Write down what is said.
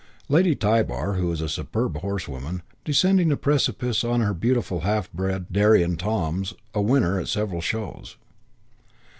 Lady Tybar, who is a superb horsewoman, descending a precipice on her beautiful half bred Derry and Toms, a winner at several shows."